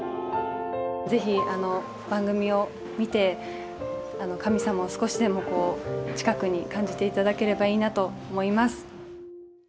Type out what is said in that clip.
ぜひ番組を見て神様を少しでも近くに感じていただければいいなと思います。